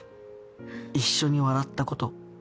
一緒に笑ったこと。